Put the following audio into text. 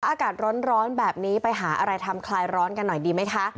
อากาศร้อนแบบนี้ไปหาอะไรทำคลายร้อนกันหน่อยดีไหมคะ